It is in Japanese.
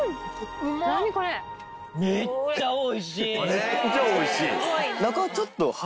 めっちゃおいしい！